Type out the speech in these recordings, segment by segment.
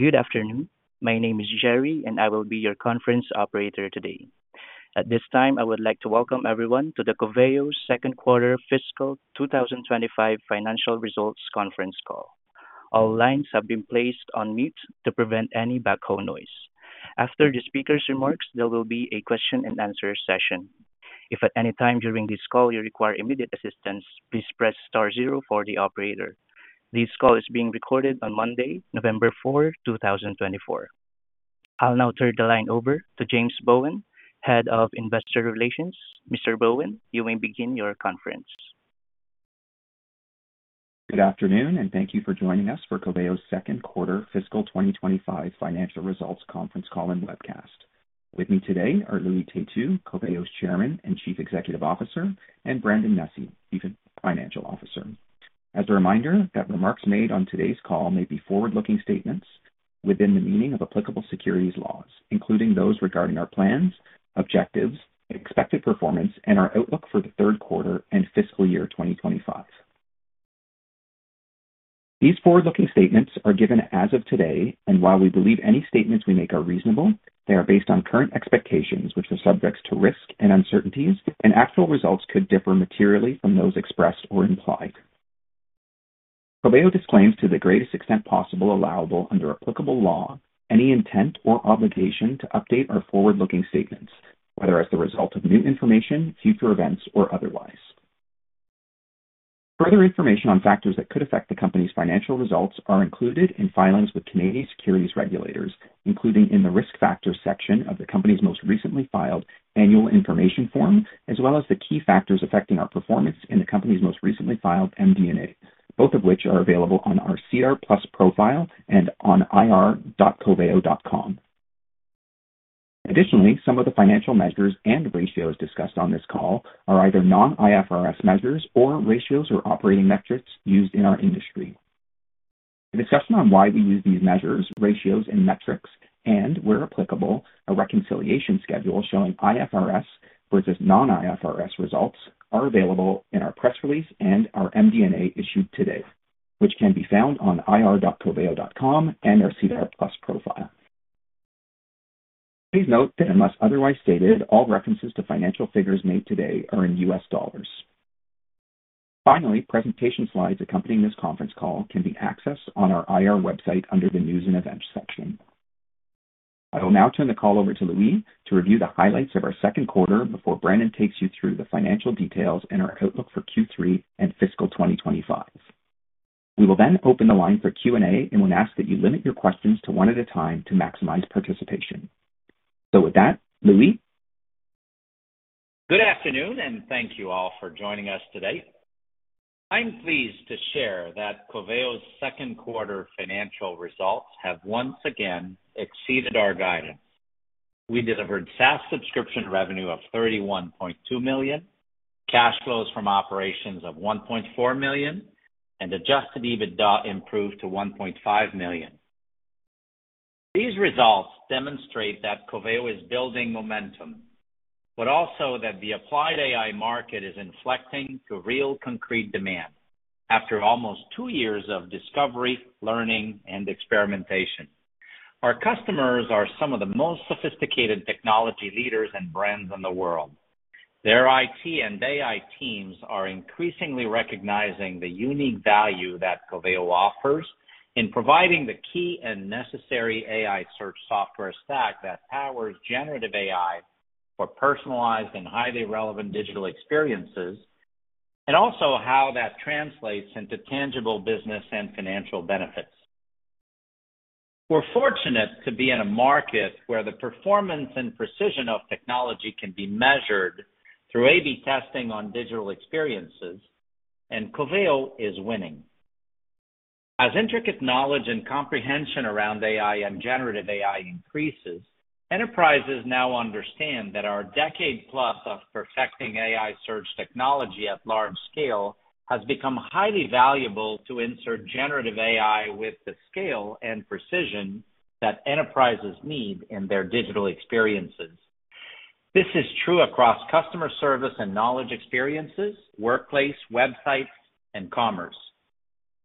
Good afternoon. My name is Jerry, and I will be your conference operator today. At this time, I would like to welcome everyone to the Coveo Solutions Second Quarter Fiscal 2025 Financial Results Conference Call. All lines have been placed on mute to prevent any background noise. After the speaker's remarks, there will be a question-and-answer session. If at any time during this call you require immediate assistance, please press star zero for the operator. This call is being recorded on Monday, November 4, 2024. I'll now turn the line over to James Bowen, Head of Investor Relations. Mr. Bowen, you may begin your conference. Good afternoon, and thank you for joining us for Coveo Solutions Inc.'s Second Quarter Fiscal 2025 Financial Results Conference Call and Webcast. With me today are Louis Têtu, Coveo Solutions Inc.'s Chairman and Chief Executive Officer, and Brandon Nussey, Chief Financial Officer. As a reminder, the remarks made on today's call may be forward-looking statements within the meaning of applicable securities laws, including those regarding our plans, objectives, expected performance, and our outlook for the third quarter and fiscal year 2025. These forward-looking statements are given as of today, and while we believe any statements we make are reasonable, they are based on current expectations which are subject to risk and uncertainties, and actual results could differ materially from those expressed or implied. Coveo Solutions disclaims, to the greatest extent possible allowable under applicable law, any intent or obligation to update our forward-looking statements, whether as the result of new information, future events, or otherwise. Further information on factors that could affect the company's financial results are included in filings with Canadian securities regulators, including in the risk factors section of the company's most recently filed annual information form, as well as the key factors affecting our performance in the company's most recently filed MD&A, both of which are available on our SEDAR+ profile and on ir.coveo.com. Additionally, some of the financial measures and ratios discussed on this call are either non-IFRS measures or ratios or operating metrics used in our industry. A discussion on why we use these measures, ratios, and metrics, and, where applicable, a reconciliation schedule showing IFRS versus non-IFRS results is available in our press release and our MD&A issued today, which can be found on ir.coveo.com and our SEDAR+ profile. Please note that unless otherwise stated, all references to financial figures made today are in U.S. dollars. Finally, presentation slides accompanying this conference call can be accessed on our IR website under the News and Events section. I will now turn the call over to Louis to review the highlights of our second quarter before Brandon takes you through the financial details and our outlook for Q3 and fiscal 2025. We will then open the line for Q&A and will ask that you limit your questions to one at a time to maximize participation. So with that, Louis? Good afternoon, and thank you all for joining us today. I'm pleased to share that Coveo Solutions Inc.'s second quarter financial results have once again exceeded our guidance. We delivered SaaS subscription revenue of $31.2 million, cash flows from operations of $1.4 million, and adjusted EBITDA improved to $1.5 million. These results demonstrate that Coveo Solutions Inc. is building momentum, but also that the applied AI market is inflecting to real concrete demand after almost two years of discovery, learning, and experimentation. Our customers are some of the most sophisticated technology leaders and brands in the world. Their IT and AI teams are increasingly recognizing the unique value that Coveo Solutions offers in providing the key and necessary AI search software stack that powers generative AI for personalized and highly relevant digital experiences, and also how that translates into tangible business and financial benefits. We're fortunate to be in a market where the performance and precision of technology can be measured through A/B testing on digital experiences, and Coveo Solutions is winning. As intricate knowledge and comprehension around AI and generative AI increases, enterprises now understand that our decade-plus of perfecting AI search technology at large scale has become highly valuable to insert generative AI with the scale and precision that enterprises need in their digital experiences. This is true across customer service and knowledge experiences, workplace, websites, and commerce.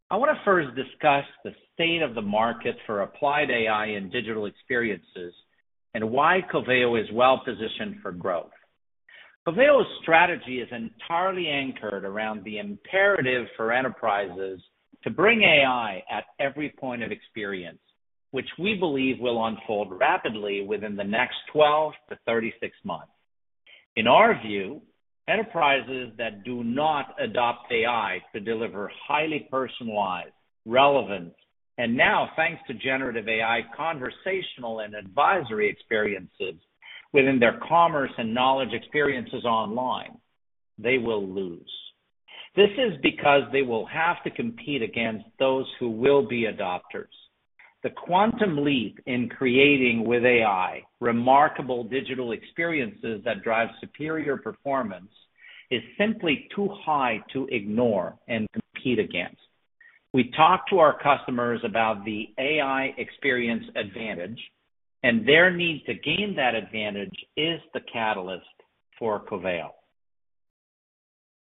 I want to first discuss the state of the market for applied AI and digital experiences and why Coveo Solutions is well-positioned for growth. Coveo Solutions' strategy is entirely anchored around the imperative for enterprises to bring AI at every point of experience, which we believe will unfold rapidly within the next 12-36 months. In our view, enterprises that do not adopt AI to deliver highly personalized, relevant, and now, thanks to generative AI, conversational and advisory experiences within their commerce and knowledge experiences online. They will lose. This is because they will have to compete against those who will be adopters. The quantum leap in creating with AI remarkable digital experiences that drive superior performance is simply too high to ignore and compete against. We talk to our customers about the AI experience advantage, and their need to gain that advantage is the catalyst for Coveo.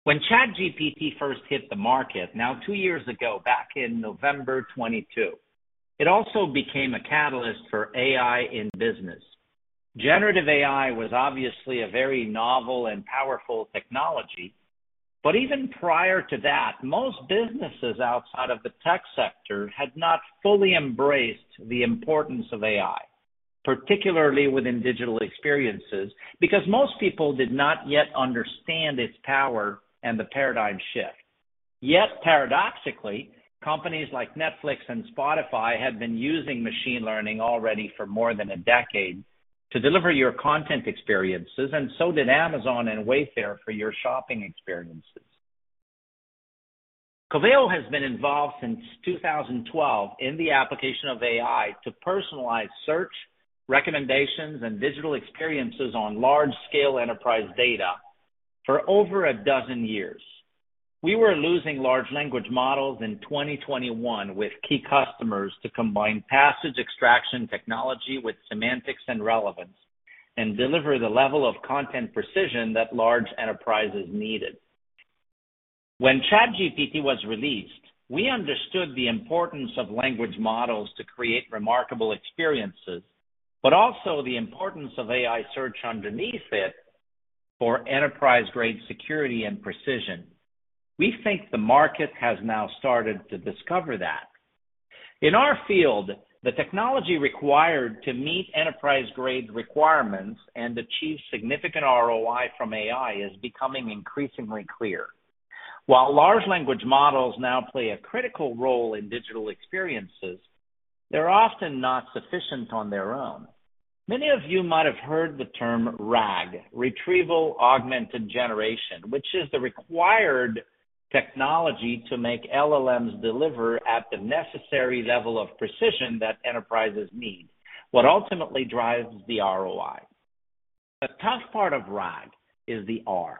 When ChatGPT first hit the market, now two years ago, back in November 2022, it also became a catalyst for AI in business. Generative AI was obviously a very novel and powerful technology, but even prior to that, most businesses outside of the tech sector had not fully embraced the importance of AI, particularly within digital experiences, because most people did not yet understand its power and the paradigm shift. Yet, paradoxically, companies like Netflix and Spotify had been using machine learning already for more than a decade to deliver your content experiences, and so did Amazon and Wayfair for your shopping experiences. Coveo has been involved since 2012 in the application of AI to personalize search recommendations and digital experiences on large-scale enterprise data for over a dozen years. We were leveraging large language models in 2021 with key customers to combine passage extraction technology with semantics and relevance and deliver the level of content precision that large enterprises needed. When ChatGPT was released, we understood the importance of language models to create remarkable experiences, but also the importance of AI search underneath it for enterprise-grade security and precision. We think the market has now started to discover that. In our field, the technology required to meet enterprise-grade requirements and achieve significant ROI from AI is becoming increasingly clear. While large language models now play a critical role in digital experiences, they're often not sufficient on their own. Many of you might have heard the term RAG, Retrieval Augmented Generation, which is the required technology to make LLMs deliver at the necessary level of precision that enterprises need, what ultimately drives the ROI. The tough part of RAG is the R,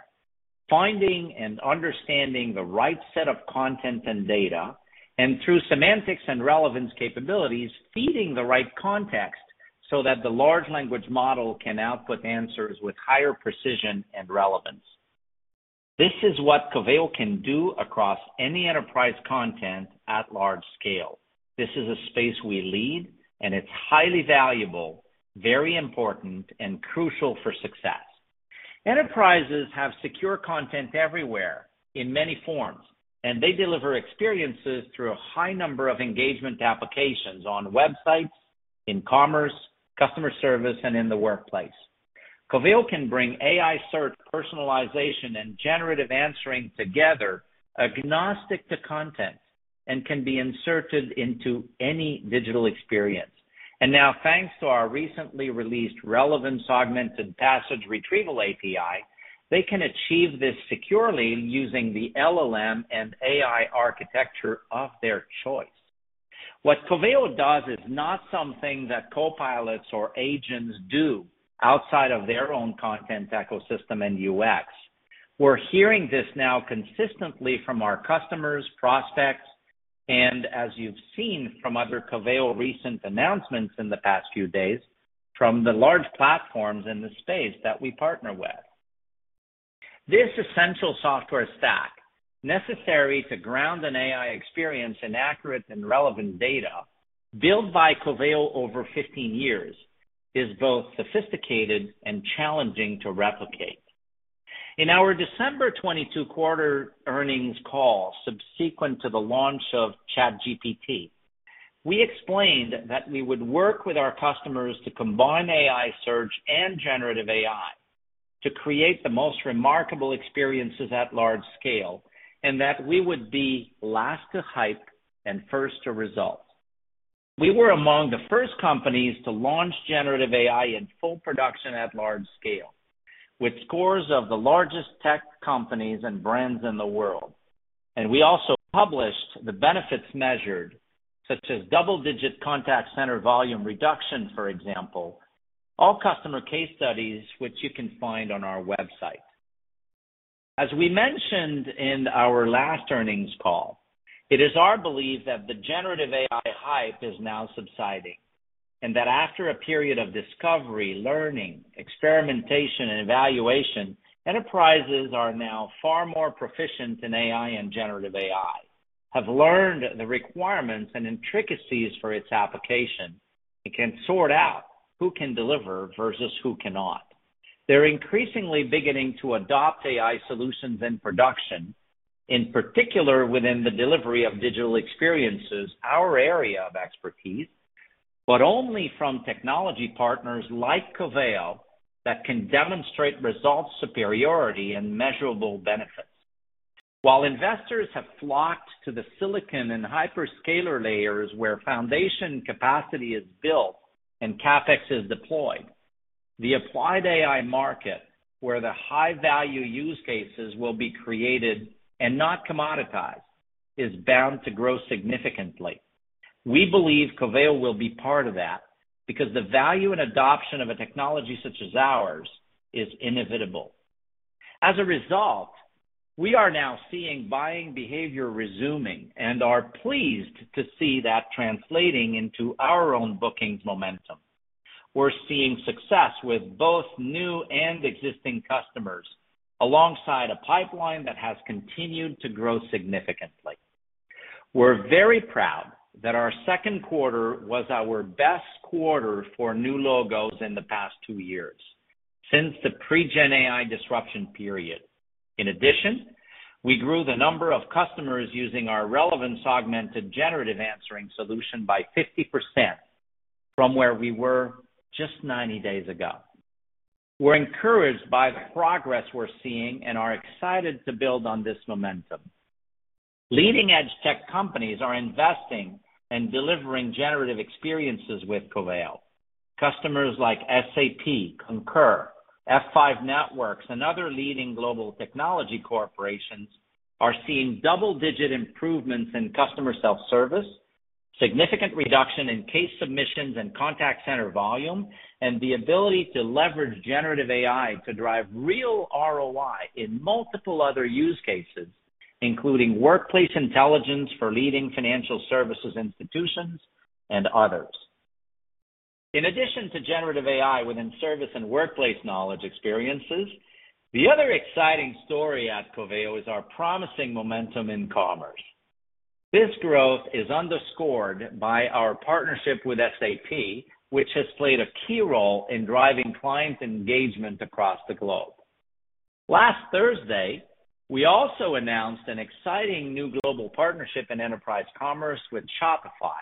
finding and understanding the right set of content and data, and through semantics and relevance capabilities, feeding the right context so that the large language model can output answers with higher precision and relevance. This is what Coveo Solutions can do across any enterprise content at large scale. This is a space we lead, and it's highly valuable, very important, and crucial for success. Enterprises have secure content everywhere in many forms, and they deliver experiences through a high number of engagement applications on websites, in commerce, customer service, and in the workplace. Coveo Solutions can bring AI search, personalization, and generative answering together, agnostic to content, and can be inserted into any digital experience. And now, thanks to our recently released Relevance Augmented Passage Retrieval API, they can achieve this securely using the LLM and AI architecture of their choice. What Coveo Solutions does is not something that copilots or agents do outside of their own content ecosystem and UX. We're hearing this now consistently from our customers, prospects, and, as you've seen from other Coveo Solutions announcements in the past few days from the large platforms in the space that we partner with. This essential software stack, necessary to ground an AI experience in accurate and relevant data, built by Coveo Solutions is both sophisticated and challenging to replicate. In our December 2022 quarter earnings call subsequent to the launch of ChatGPT, we explained that we would work with our customers to combine AI search and generative AI to create the most remarkable experiences at large scale, and that we would be last to hype and first to result. We were among the first companies to launch generative AI in full production at large scale, with scores of the largest tech companies and brands in the world. And we also published the benefits measured, such as double-digit contact center volume reduction, for example, all customer case studies which you can find on our website. As we mentioned in our last earnings call, it is our belief that the generative AI hype is now subsiding and that after a period of discovery, learning, experimentation, and evaluation, enterprises are now far more proficient in AI and generative AI, have learned the requirements and intricacies for its application, and can sort out who can deliver versus who cannot. They're increasingly beginning to adopt AI solutions in production, in particular within the delivery of digital experiences, our area of expertise, but only from technology partners like Coveo Solutions that can demonstrate results superiority and measurable benefits. While investors have flocked to the silicon and hyperscaler layers where foundation capacity is built and CapEx is deployed, the applied AI market, where the high-value use cases will be created and not commoditized, is bound to grow significantly. We believe Coveo Solutions will be part of that because the value and adoption of a technology such as ours is inevitable. As a result, we are now seeing buying behavior resuming and are pleased to see that translating into our own bookings momentum. We're seeing success with both new and existing customers alongside a pipeline that has continued to grow significantly. We're very proud that our second quarter was our best quarter for new logos in the past two years since the pre-Gen AI disruption period. In addition, we grew the number of customers using our Relevance Augmented Generative Answering Solution by 50% from where we were just 90 days ago. We're encouraged by the progress we're seeing and are excited to build on this momentum. Leading-edge tech companies are investing and delivering generative experiences with Coveo Solutions. Customers like SAP, Concur, F5 Networks, and other leading global technology corporations are seeing double-digit improvements in customer self-service, significant reduction in case submissions and contact center volume, and the ability to leverage generative AI to drive real ROI in multiple other use cases, including workplace intelligence for leading financial services institutions and others. In addition to generative AI within service and workplace knowledge experiences, the other exciting story at Coveo Solutions is our promising momentum in commerce. This growth is underscored by our partnership with SAP, which has played a key role in driving client engagement across the globe. Last Thursday, we also announced an exciting new global partnership in enterprise commerce with Shopify.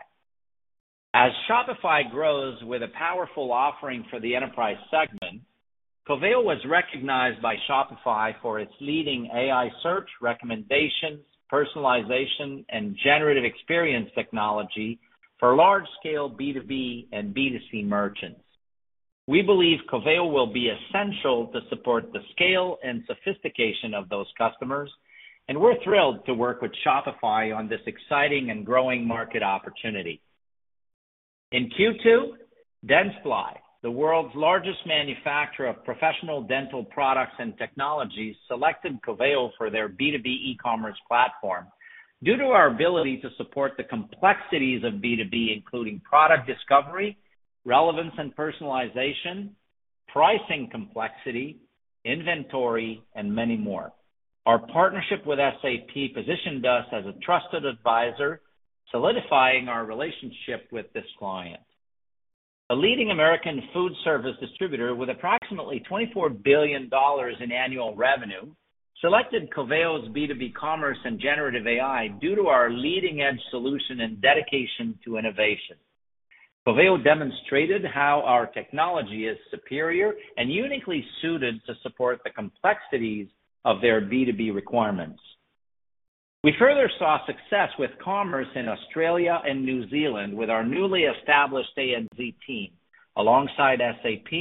As Shopify grows with a powerful offering for the enterprise segment, Coveo provides leading AI search recommendations, personalization, and generative experience technology for large-scale B2B and B2C merchants. We believe Coveo solutions support the scale and sophistication of those customers, and we're thrilled to work with Shopify on this exciting and growing market opportunity. In Q2, Dentsply, the world's largest manufacturer of professional dental products and technologies, selected Coveo Solutions for their B2B e-commerce platform due to our ability to support the complexities of B2B, including product discovery, relevance and personalization, pricing complexity, inventory, and many more. Our partnership with SAP positioned us as a trusted advisor, solidifying our relationship with this client. A leading American food service distributor with approximately $24 billion in annual revenue selected Coveo Solutions due to our leading-edge solution and dedication to innovation. Coveo Solutions demonstrated how our technology is superior and uniquely suited to support the complexities of their B2B requirements. We further saw success with commerce in Australia and New Zealand with our newly established ANZ team. Alongside SAP,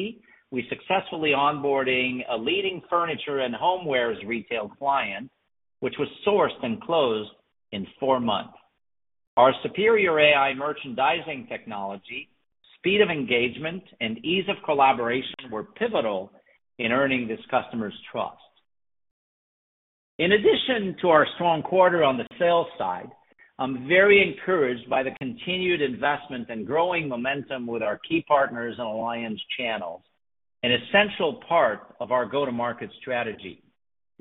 we successfully onboarded a leading furniture and homewares retail client, which was sourced and closed in four months. Our superior AI merchandising technology, speed of engagement, and ease of collaboration were pivotal in earning this customer's trust. In addition to our strong quarter on the sales side, I'm very encouraged by the continued investment and growing momentum with our key partners and alliance channels, an essential part of our go-to-market strategy.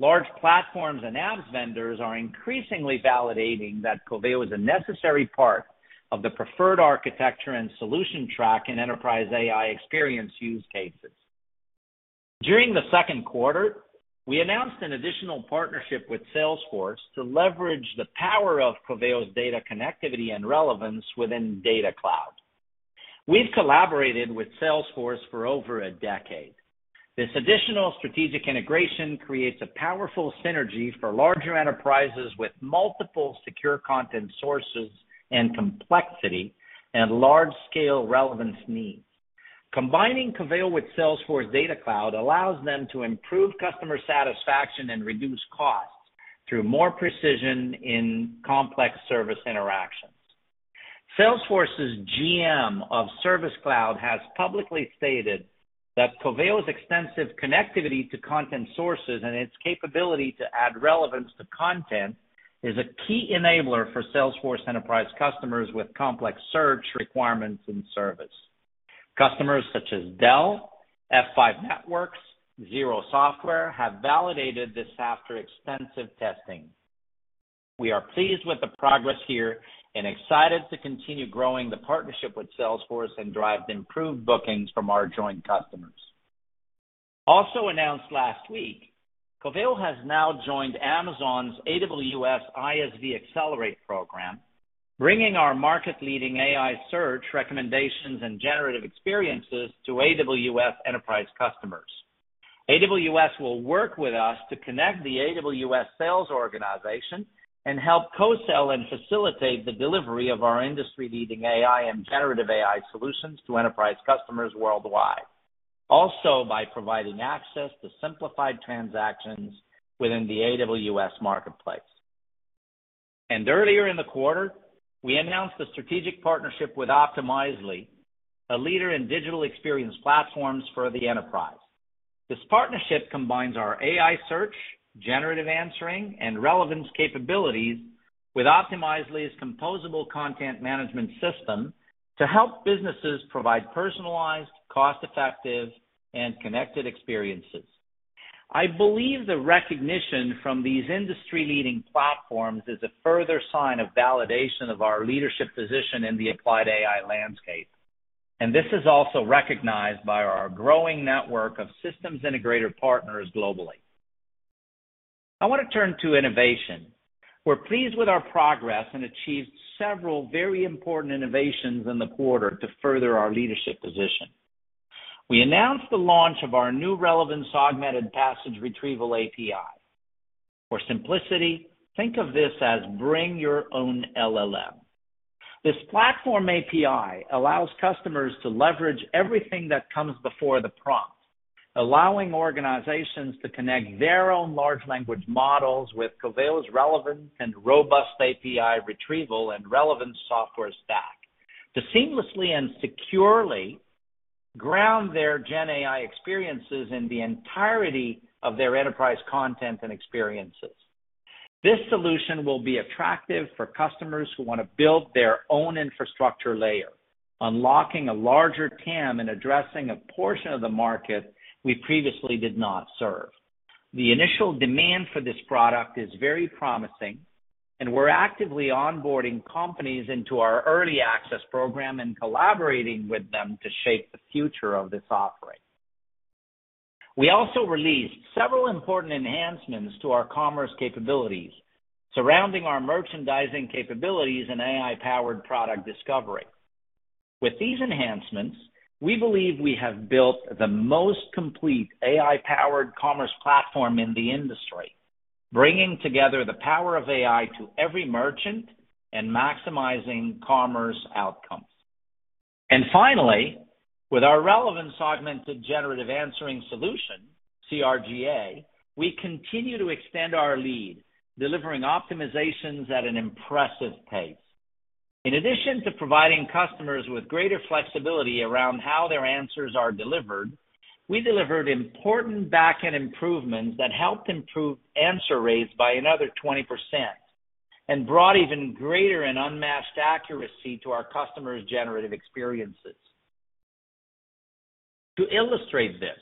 Large platforms and apps vendors are increasingly validating that Coveo Solutions is a necessary part of the preferred architecture and solution track in enterprise AI experience use cases. During the second quarter, we announced an additional partnership with Salesforce to leverage the power of Coveo Solutions data connectivity and relevance within Data Cloud. We've collaborated with Salesforce for over a decade. This additional strategic integration creates a powerful synergy for larger enterprises with multiple secure content sources and complexity and large-scale relevance needs. Combining Coveo Solutions' Coveo Answers with Salesforce Data Cloud allows them to improve customer satisfaction and reduce costs through more precision in complex service interactions. Salesforce's GM of Service Cloud has publicly stated that Coveo Solutions' Coveo Answers' extensive connectivity to content sources and its capability to add relevance to content is a key enabler for Salesforce enterprise customers with complex search requirements and service. Customers such as Dell, F5 Networks, Xero Software have validated this after extensive testing. We are pleased with the progress here and excited to continue growing the partnership with Salesforce and drive improved bookings from our joint customers. Also announced last week, Coveo Solutions' Coveo Answers has now joined Amazon's AWS ISV Accelerate program, bringing our market-leading AI search recommendations and generative experiences to AWS enterprise customers. AWS will work with us to connect the AWS sales organization and help co-sell and facilitate the delivery of our industry-leading AI and generative AI solutions to enterprise customers worldwide, also by providing access to simplified transactions within the AWS Marketplace, and earlier in the quarter, we announced a strategic partnership with Optimizely, a leader in digital experience platforms for the enterprise. This partnership combines our AI search, generative answering, and relevance capabilities with Optimizely's composable content management system to help businesses provide personalized, cost-effective, and connected experiences. I believe the recognition from these industry-leading platforms is a further sign of validation of our leadership position in the applied AI landscape, and this is also recognized by our growing network of systems integrator partners globally. I want to turn to innovation. We're pleased with our progress and achieved several very important innovations in the quarter to further our leadership position. We announced the launch of our new Relevance Augmented Passage Retrieval API. For simplicity, think of this as bring your own LLM. This platform API allows customers to leverage everything that comes before the prompt, allowing organizations to connect their own large language models with Coveo Solutions' relevant and robust API retrieval and relevance software stack to seamlessly and securely ground their Gen AI experiences in the entirety of their enterprise content and experiences. This solution will be attractive for customers who want to build their own infrastructure layer, unlocking a larger TAM and addressing a portion of the market we previously did not serve. The initial demand for this product is very promising, and we're actively onboarding companies into our early access program and collaborating with them to shape the future of this offering. We also released several important enhancements to our commerce capabilities surrounding our merchandising capabilities and AI-powered product discovery. With these enhancements, we believe we have built the most complete AI-powered commerce platform in the industry, bringing together the power of AI to every merchant and maximizing commerce outcomes. And finally, with our Relevance Augmented Generative Answering Solutions, CRGA, we continue to extend our lead, delivering optimizations at an impressive pace. In addition to providing customers with greater flexibility around how their answers are delivered, we delivered important backend improvements that helped improve answer rates by another 20% and brought even greater and unmatched accuracy to our customers' generative experiences. To illustrate this,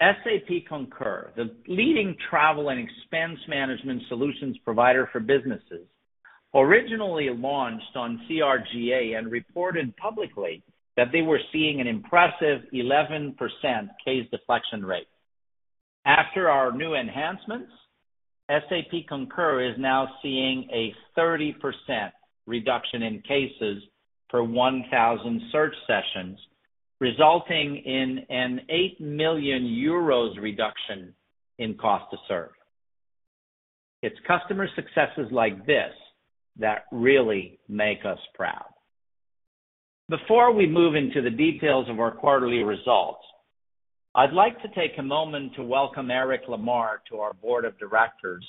SAP Concur, the leading travel and expense management solutions provider for businesses, originally launched on CRGA and reported publicly that they were seeing an impressive 11% case deflection rate. After our new enhancements, SAP Concur is now seeing a 30% reduction in cases per 1,000 search sessions, resulting in an 8 million euros reduction in cost to serve. It's customer successes like this that really make us proud. Before we move into the details of our quarterly results, I'd like to take a moment to welcome Éric La Marre to our board of directors,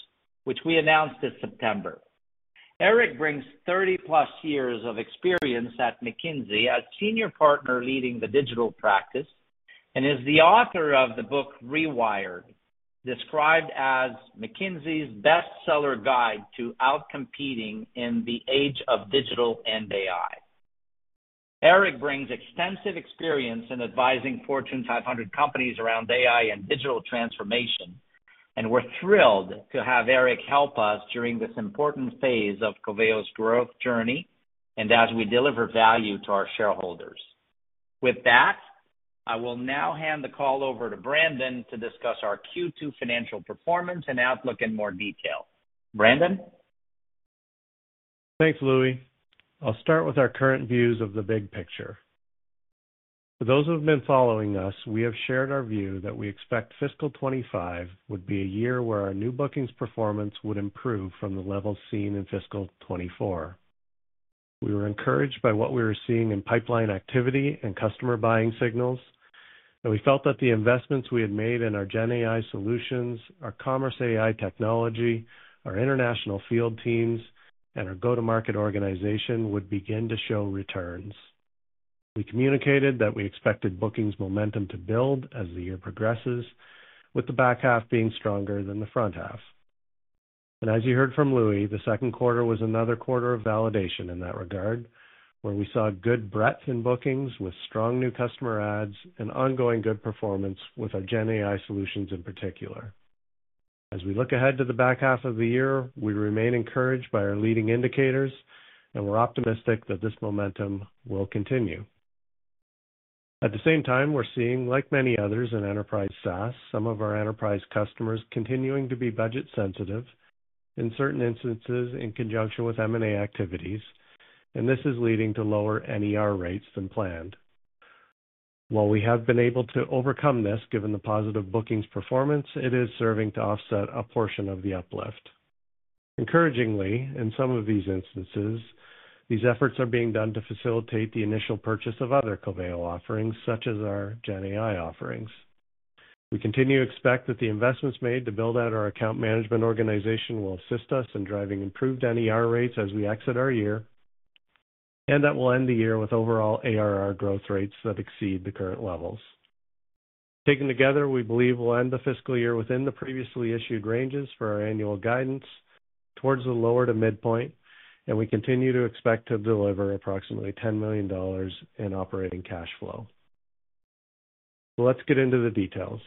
which we announced this September. Éric brings 30-plus years of experience at McKinsey as senior partner leading the digital practice and is the author of the book Rewired, described as McKinsey's bestseller guide to outcompeting in the age of digital and AI. Éric brings extensive experience in advising Fortune 500 companies around AI and digital transformation, and we're thrilled to have Éric help us during this important phase of Coveo Solutions' growth journey and as we deliver value to our shareholders. With that, I will now hand the call over to Brandon to discuss our Q2 financial performance and outlook in more detail. Brandon? Thanks, Louis. I'll start with our current views of the big picture. For those who have been following us, we have shared our view that we expect fiscal 2025 would be a year where our new bookings performance would improve from the levels seen in fiscal 2024. We were encouraged by what we were seeing in pipeline activity and customer buying signals, and we felt that the investments we had made in our Gen AI solutions, our commerce AI technology, our international field teams, and our go-to-market organization would begin to show returns. We communicated that we expected bookings momentum to build as the year progresses, with the back half being stronger than the front half. As you heard from Louis, the second quarter was another quarter of validation in that regard, where we saw good breadth in bookings with strong new customer adds and ongoing good performance with our Gen AI solutions in particular. As we look ahead to the back half of the year, we remain encouraged by our leading indicators, and we're optimistic that this momentum will continue. At the same time, we're seeing, like many others in enterprise SaaS, some of our enterprise customers continuing to be budget-sensitive in certain instances in conjunction with M&A activities, and this is leading to lower NER rates than planned. While we have been able to overcome this given the positive bookings performance, it is serving to offset a portion of the uplift. Encouragingly, in some of these instances, these efforts are being done to facilitate the initial purchase of other Coveo Solutions Inc.'s offerings, such as our Gen AI offerings. We continue to expect that the investments made to build out our account management organization will assist us in driving improved NER rates as we exit our year, and that we'll end the year with overall ARR growth rates that exceed the current levels. Taken together, we believe we'll end the fiscal year within the previously issued ranges for our annual guidance toward the lower to midpoint, and we continue to expect to deliver approximately $10 million in operating cash flow. Let's get into the details.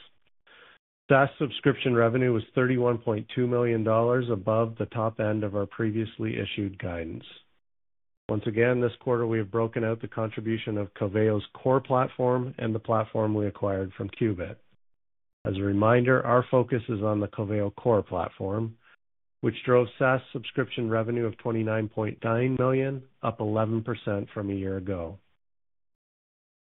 SaaS subscription revenue was $31.2 million above the top end of our previously issued guidance. Once again, this quarter we have broken out the contribution of Coveo Solutions' core platform and the platform we acquired from Qubit. As a reminder, our focus is on the Coveo Solutions' core platform, which drove SaaS subscription revenue of $29.9 million, up 11% from a year ago.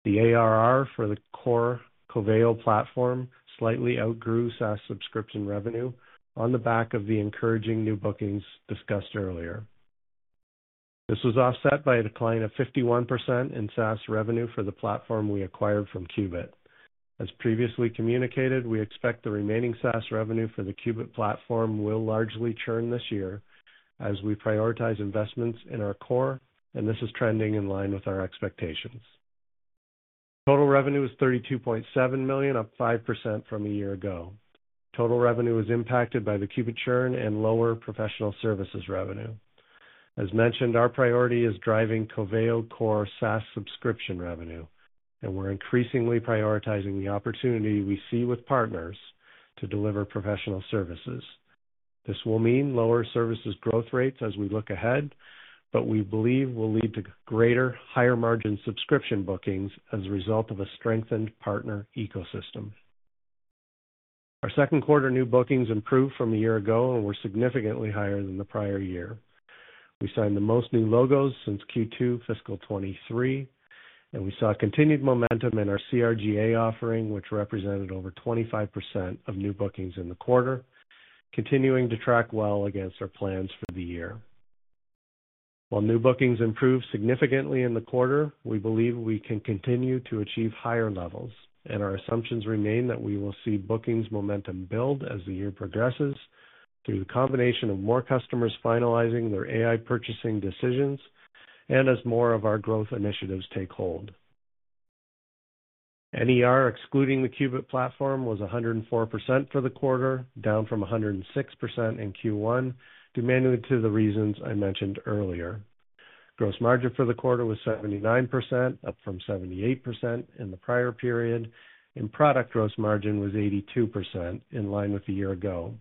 The ARR for the core Coveo Solutions' platform slightly outgrew SaaS subscription revenue on the back of the encouraging new bookings discussed earlier. This was offset by a decline of 51% in SaaS revenue for the platform we acquired from Qubit. As previously communicated, we expect the remaining SaaS revenue for the Qubit platform will largely churn this year as we prioritize investments in our core, and this is trending in line with our expectations. Total revenue was $32.7 million, up 5% from a year ago. Total revenue was impacted by the Qubit churn and lower professional services revenue. As mentioned, our priority is driving Coveo Solutions' core SaaS subscription revenue, and we're increasingly prioritizing the opportunity we see with partners to deliver professional services. This will mean lower services growth rates as we look ahead, but we believe will lead to greater, higher-margin subscription bookings as a result of a strengthened partner ecosystem. Our second quarter new bookings improved from a year ago and were significantly higher than the prior year. We signed the most new logos since Q2 fiscal 2023, and we saw continued momentum in our CRGA offering, which represented over 25% of new bookings in the quarter, continuing to track well against our plans for the year. While new bookings improved significantly in the quarter, we believe we can continue to achieve higher levels, and our assumptions remain that we will see bookings momentum build as the year progresses through the combination of more customers finalizing their AI purchasing decisions and as more of our growth initiatives take hold. NER excluding the Qubit platform was 104% for the quarter, down from 106% in Q1, due to the reasons I mentioned earlier. Gross margin for the quarter was 79%, up from 78% in the prior period, and product gross margin was 82%, in line with a year ago.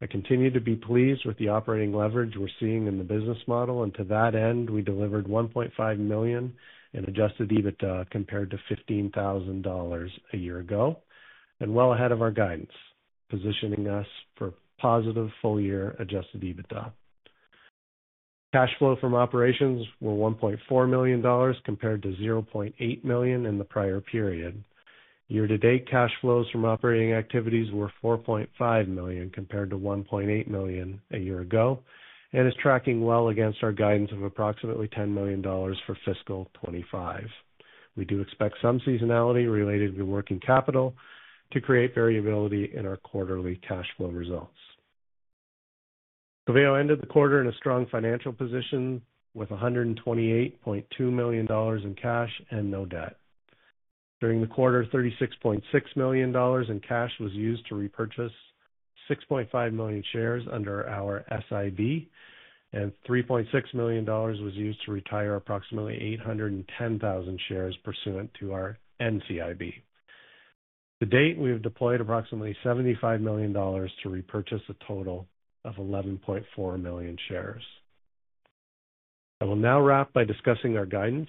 I continue to be pleased with the operating leverage we're seeing in the business model, and to that end, we delivered $1.5 million in adjusted EBITDA compared to $15,000 a year ago, and well ahead of our guidance, positioning us for positive full-year adjusted EBITDA. Cash flow from operations were $1.4 million compared to $0.8 million in the prior period. Year-to-date cash flows from operating activities were $4.5 million compared to $1.8 million a year ago, and is tracking well against our guidance of approximately $10 million for fiscal 2025. We do expect some seasonality related to working capital to create variability in our quarterly cash flow results. Coveo Solutions' cash reserves ended the quarter in a strong financial position with $128.2 million in cash and no debt. During the quarter, $36.6 million in cash was used to repurchase 6.5 million shares under our SIB, and $3.6 million was used to retire approximately 810,000 shares pursuant to our NCIB. To date, we have deployed approximately $75 million to repurchase a total of 11.4 million shares. I will now wrap by discussing our guidance.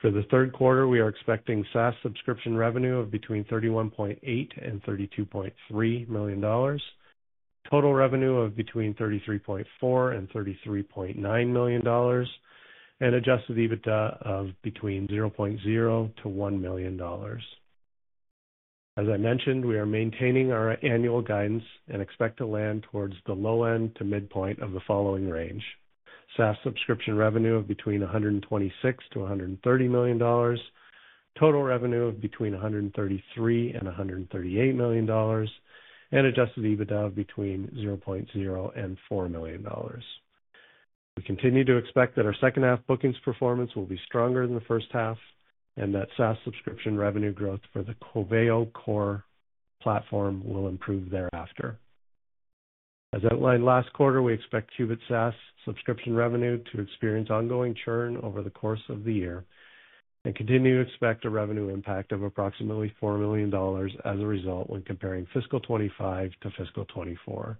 For the third quarter, we are expecting SaaS subscription revenue of between $31.8 and $32.3 million, total revenue of between $33.4 and $33.9 million, and adjusted EBITDA of between $0.0 to $1 million. As I mentioned, we are maintaining our annual guidance and expect to land towards the low end to midpoint of the following range: SaaS subscription revenue of between $126 to $130 million, total revenue of between $133 and $138 million, and adjusted EBITDA of between $0.0 and $4 million. We continue to expect that our second-half bookings performance will be stronger than the first half, and that SaaS subscription revenue growth for the Coveo Platform will improve thereafter. As outlined last quarter, we expect Qubit SaaS subscription revenue to experience ongoing churn over the course of the year and continue to expect a revenue impact of approximately $4 million as a result when comparing fiscal 2025 to fiscal 2024.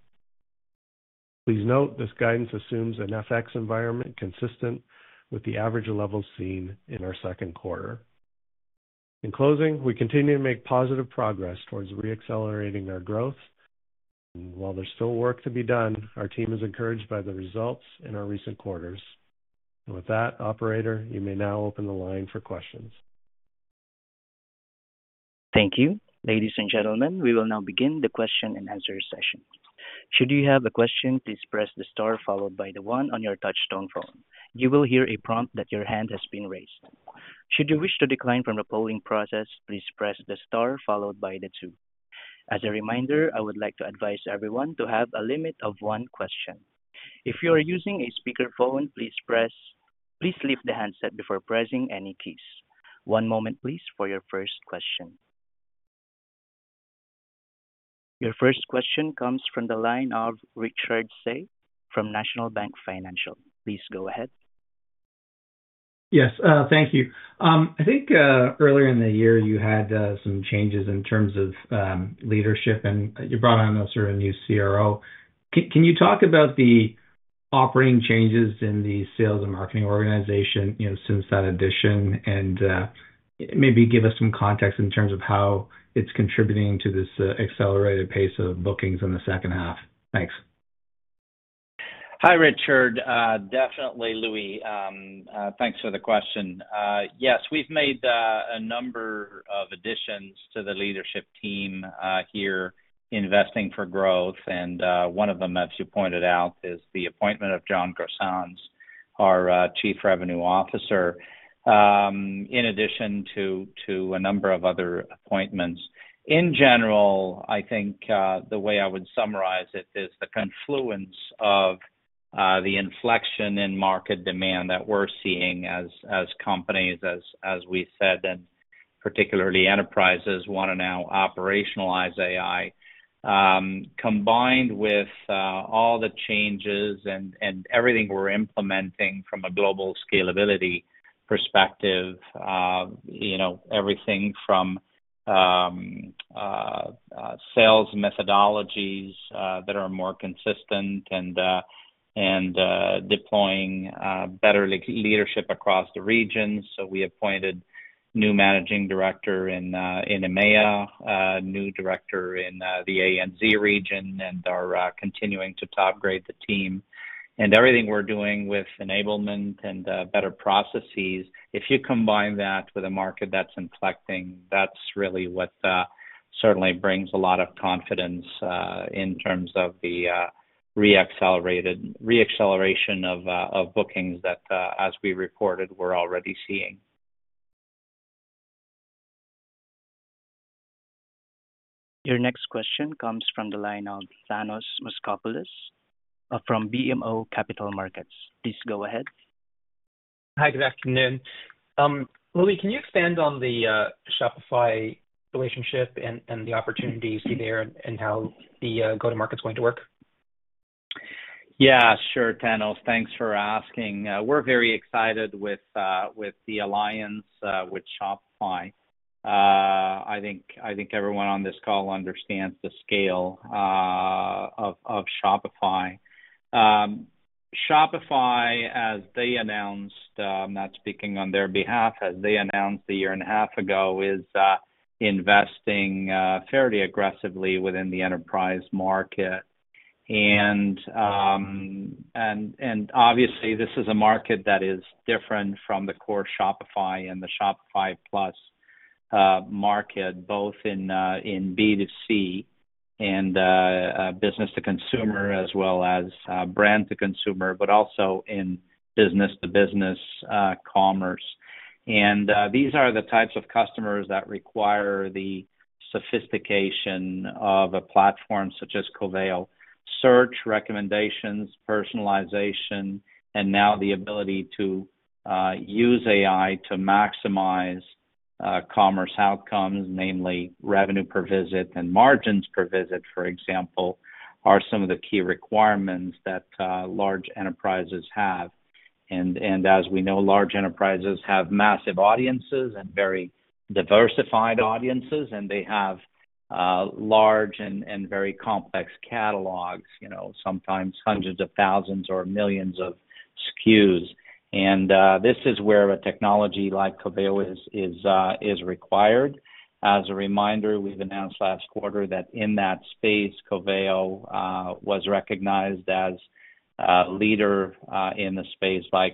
Please note this guidance assumes an FX environment consistent with the average levels seen in our second quarter. In closing, we continue to make positive progress towards re-accelerating our growth, and while there's still work to be done, our team is encouraged by the results in our recent quarters. With that, Operator, you may now open the line for questions. Thank you. Ladies and gentlemen, we will now begin the question and answer session. Should you have a question, please press the star followed by the one on your touch-tone phone. You will hear a prompt that your hand has been raised. Should you wish to decline from the polling process, please press the star followed by the two. As a reminder, I would like to advise everyone to have a limit of one question. If you are using a speakerphone, please press. Please leave the handset before pressing any keys. One moment, please, for your first question. Your first question comes from the line of Richard Tse from National Bank Financial. Please go ahead. Yes, thank you. I think earlier in the year you had some changes in terms of leadership, and you brought on a sort of new CRO. Can you talk about the operating changes in the sales and marketing organization since that addition, and maybe give us some context in terms of how it's contributing to this accelerated pace of bookings in the second half? Thanks. Hi, Richard. Definitely, Louis. Thanks for the question. Yes, we've made a number of additions to the leadership team here investing for growth, and one of them, as you pointed out, is the appointment of John Grosshans, our Chief Revenue Officer, in addition to a number of other appointments. In general, I think the way I would summarize it is the confluence of the inflection in market demand that we're seeing as companies, as we said, and particularly enterprises want to now operationalize AI, combined with all the changes and everything we're implementing from a global scalability perspective, everything from sales methodologies that are more consistent and deploying better leadership across the region. So we appointed a new managing director in EMEA, a new director in the ANZ region, and are continuing to top-grade the team. And everything we're doing with enablement and better processes, if you combine that with a market that's inflecting, that's really what certainly brings a lot of confidence in terms of the re-acceleration of bookings that, as we reported, we're already seeing. Your next question comes from the line of Thanos Moschopoulos from BMO Capital Markets. Please go ahead. Hi, good afternoon. Louis, can you expand on the Shopify relationship and the opportunities there and how the go-to-market's going to work? Yeah, sure, Thanos. Thanks for asking. We're very excited with the alliance with Shopify. I think everyone on this call understands the scale of Shopify. Shopify, as they announced, I'm not speaking on their behalf, as they announced a year and a half ago, is investing fairly aggressively within the enterprise market. Obviously, this is a market that is different from the core Shopify and the Shopify Plus market, both in B2C and business-to-consumer, as well as brand-to-consumer, but also in business-to-business commerce. These are the types of customers that require the sophistication of a platform such as Coveo: search, recommendations, personalization, and now the ability to use AI to maximize commerce outcomes, namely revenue per visit and margins per visit, for example, are some of the key requirements that large enterprises have. As we know, large enterprises have massive audiences and very diversified audiences, and they have large and very complex catalogs, sometimes hundreds of thousands or millions of SKUs. This is where a technology like Coveo is required. As a reminder, we've announced last quarter that in that space, Coveo was recognized as a leader in the space by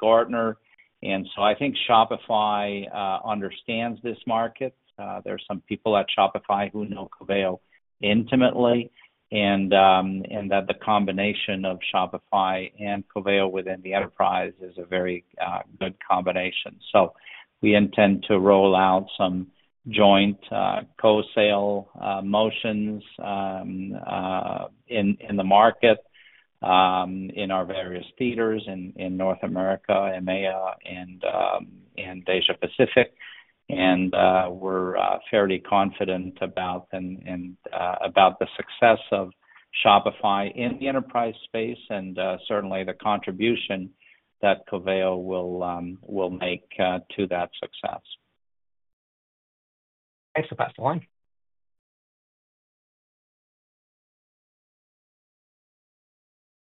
Gartner. And so I think Shopify understands this market. There are some people at Shopify who know Coveo intimately and that the combination of Shopify and Coveo within the enterprise is a very good combination. So we intend to roll out some joint co-sale motions in the market in our various theaters in North America, EMEA, and Asia-Pacific. And we're fairly confident about the success of Shopify in the enterprise space and certainly the contribution that Coveo will make to that success. Thanks for passing the line.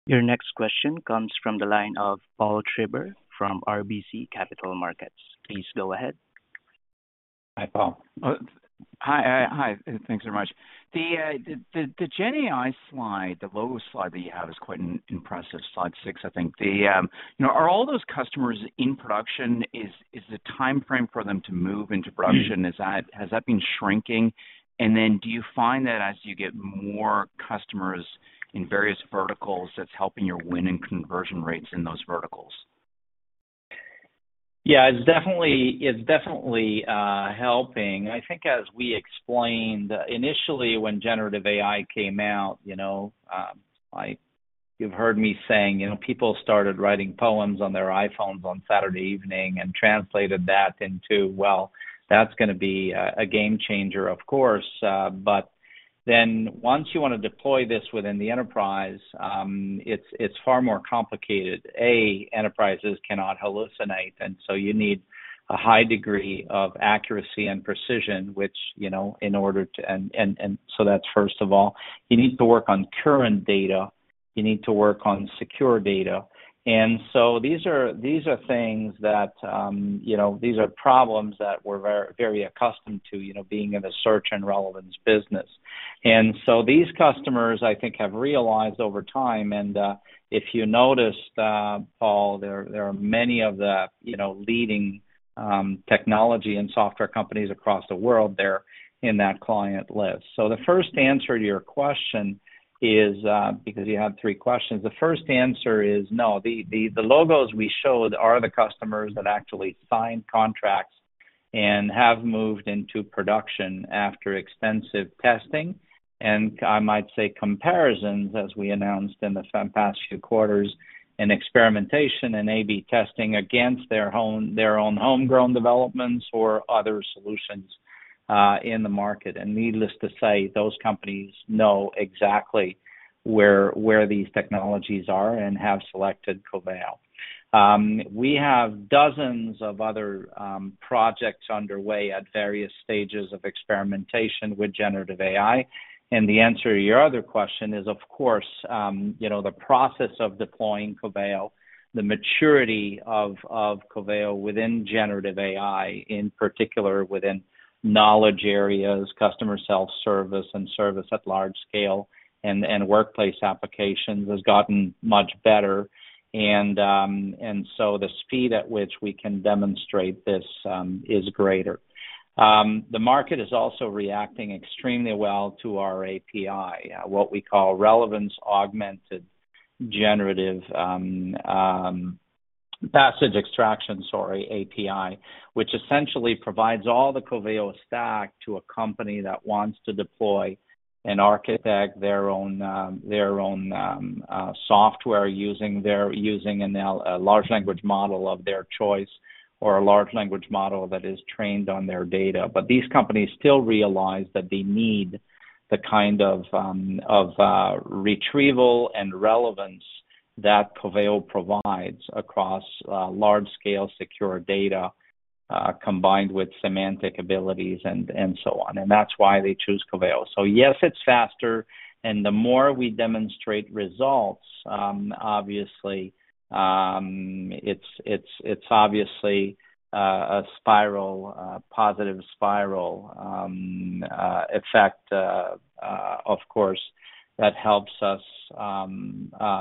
Your next question comes from the line of Paul Treiber from RBC Capital Markets. Please go ahead. Hi, Paul. Hi. Hi. Thanks very much. The GenAI slide, the logo slide that you have is quite impressive, slide six, I think. Are all those customers in production? Is the time frame for them to move into production? Has that been shrinking? And then do you find that as you get more customers in various verticals, that's helping your win and conversion rates in those verticals? Yeah, it's definitely helping. I think as we explained, initially when generative AI came out, you've heard me saying people started writing poems on their iPhones on Saturday evening and translated that into, "Well, that's going to be a game changer, of course." But then once you want to deploy this within the enterprise, it's far more complicated. A, enterprises cannot hallucinate, and so you need a high degree of accuracy and precision, and so that's first of all. You need to work on current data. You need to work on secure data. And so these are things, that these are problems that we're very accustomed to being in the search and relevance business. And so these customers, I think, have realized over time, and if you noticed, Paul, there are many of the leading technology and software companies across the world that are in that client list. So the first answer to your question is, because you had three questions, the first answer is no. The logos we showed are the customers that actually signed contracts and have moved into production after extensive testing and, I might say, comparisons, as we announced in the past few quarters, and experimentation and A/B testing against their own homegrown developments or other solutions in the market. And needless to say, those companies know exactly where these technologies are and have selected Coveo. We have dozens of other projects underway at various stages of experimentation with generative AI. And the answer to your other question is, of course, the process of deploying Coveo, the maturity of Coveo within generative AI, in particular within knowledge areas, customer self-service, and service at large scale, and workplace applications has gotten much better. And so the speed at which we can demonstrate this is greater. The market is also reacting extremely well to our API, what we call the Relevance Augmented Passage Retrieval API, which essentially provides all the Coveo stack to a company that wants to deploy and architect their own software using a Large Language Model of their choice or a Large Language Model that is trained on their data. But these companies still realize that they need the kind of retrieval and relevance that Coveo provides across large-scale secure data combined with semantic abilities and so on. And that's why they choose Coveo. So yes, it's faster, and the more we demonstrate results, obviously, it's obviously a positive spiral effect, of course, that helps us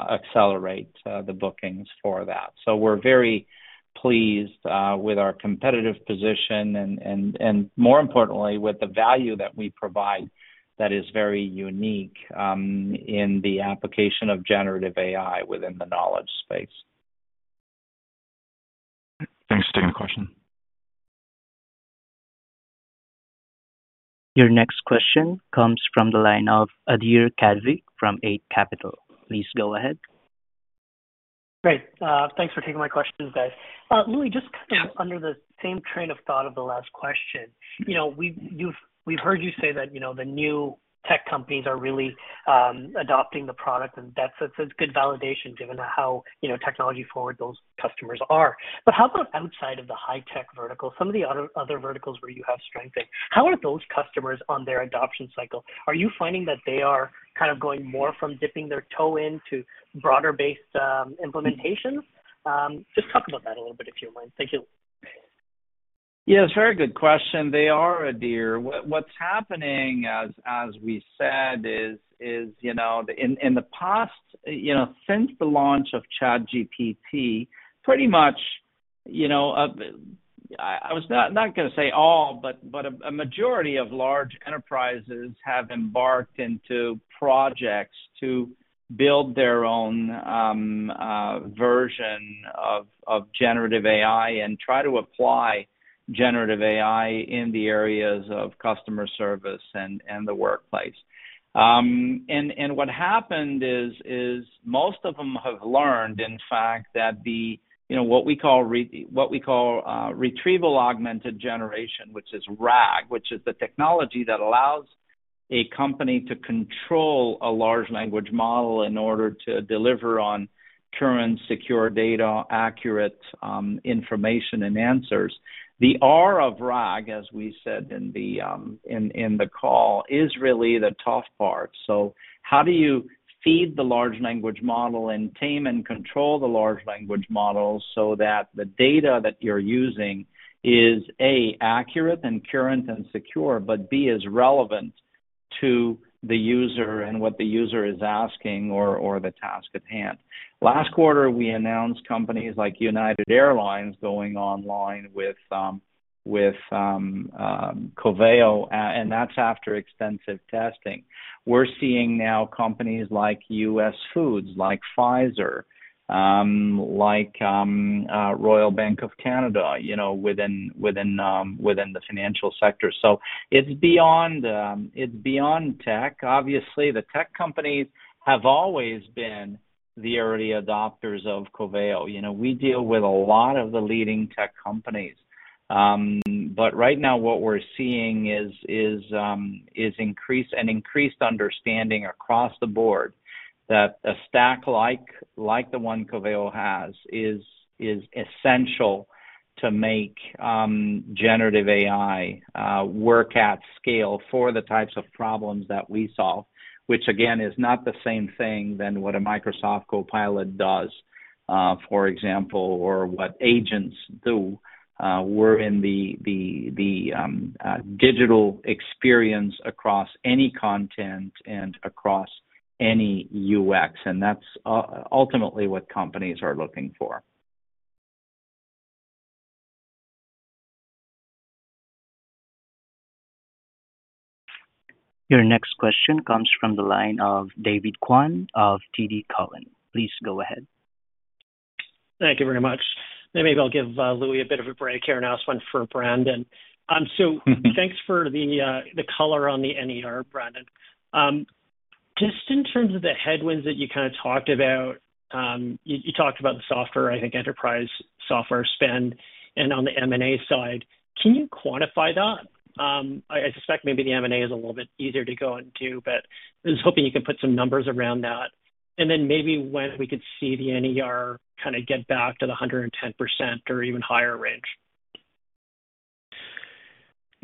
accelerate the bookings for that. So we're very pleased with our competitive position and, more importantly, with the value that we provide that is very unique in the application of generative AI within the knowledge space. Thanks for taking the question. Your next question comes from the line of Adhir Kadve from Eight Capital. Please go ahead. Great. Thanks for taking my questions, guys. Louis, just kind of under the same train of thought of the last question, we've heard you say that the new tech companies are really adopting the product, and that's good validation given how technology-forward those customers are. But how about outside of the high-tech vertical, some of the other verticals where you have strengthened? How are those customers on their adoption cycle? Are you finding that they are kind of going more from dipping their toe into broader-based implementations? Just talk about that a little bit, if you would. Thank you. Yeah, it's a very good question. They are, Adhir. What's happening, as we said, is in the past, since the launch of ChatGPT, pretty much, I was not going to say all, but a majority of large enterprises have embarked into projects to build their own version of generative AI and try to apply generative AI in the areas of customer service and the workplace. And what happened is most of them have learned, in fact, that what we call retrieval-augmented generation, which is RAG, which is the technology that allows a company to control a large language model in order to deliver on current secure data, accurate information, and answers. The R of RAG, as we said in the call, is really the tough part. So how do you feed the large language model and tame and control the large language model so that the data that you're using is, A, accurate and current and secure, but B, is relevant to the user and what the user is asking or the task at hand. Last quarter, we announced companies like United Airlines going online with Coveo, and that's after extensive testing. We're seeing now companies like US Foods, like Pfizer, like Royal Bank of Canada within the financial sector. So it's beyond tech. Obviously, the tech companies have always been the early adopters of Coveo. We deal with a lot of the leading tech companies. But right now, what we're seeing is an increased understanding across the board that a stack like the one Coveo has is essential to make generative AI work at scale for the types of problems that we solve, which, again, is not the same thing than what a Microsoft Copilot does, for example, or what agents do. We're in the digital experience across any content and across any UX, and that's ultimately what companies are looking for. Your next question comes from the line of David Kwan of TD Cowen. Please go ahead. Thank you very much. Maybe I'll give Louis a bit of a break here. Now it's one for Brandon. So thanks for the color on the NER, Brandon. Just in terms of the headwinds that you kind of talked about, you talked about the software, I think, enterprise software spend, and on the M&A side, can you quantify that? I suspect maybe the M&A is a little bit easier to go into, but I was hoping you could put some numbers around that, and then maybe when we could see the NER kind of get back to the 110% or even higher range.